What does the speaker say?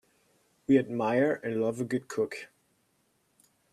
We admire and love a good cook.